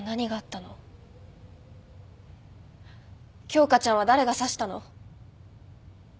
京花ちゃんは誰が刺したの？